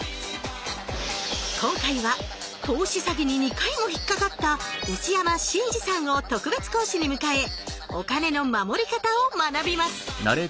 今回は投資詐欺に２回もひっかかった内山信二さんを特別講師に迎えお金のまもり方を学びます。